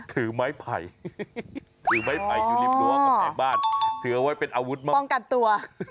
ถือไม้ไผ่ถือไม้ไผ่อยู่ริมรั้วกำแพงบ้านถือเอาไว้เป็นอาวุธมากป้องกันตัว